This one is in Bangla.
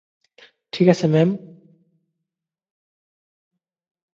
ঠিক আছে, ম্যাম।